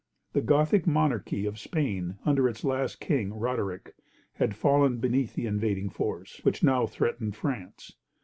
The Gothic monarchy of Spain, under its last king, Roderick, had fallen beneath the invading force, which now threatened France.